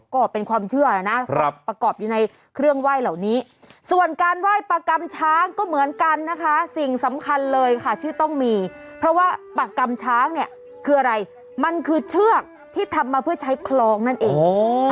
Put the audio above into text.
ก็เป็นความเชื่อนะประกอบอยู่ในเครื่องไหว้เหล่านี้ส่วนการไหว้ประกำช้างก็เหมือนกันนะคะสิ่งสำคัญเลยค่ะที่ต้องมีเพราะว่าปากกำช้างเนี่ยคืออะไรมันคือเชือกที่ทำมาเพื่อใช้คลองนั่นเอง